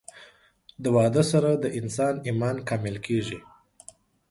د واده سره د انسان ايمان کامل کيږي